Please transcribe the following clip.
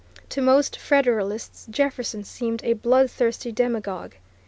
To most Federalists Jefferson seemed a bloodthirsty demagogue.